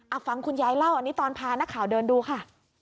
เอาฟังคุณยายเล่าอันนี้ตอนพานักข่าวเดินดูค่ะ